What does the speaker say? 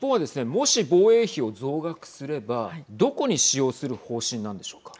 もし、防衛費を増額すればどこに使用する方針なんでしょうか。